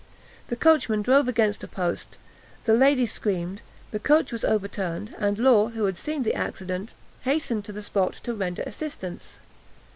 The coachman drove against a post, the lady screamed, the coach was overturned, and Law, who had seen the accident, hastened to the spot to render assistance.